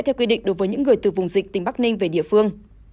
theo quy định đối với những người từ vùng dịch tỉnh bắc ninh về địa phương